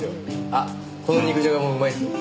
あっこの肉じゃがもうまいですよ。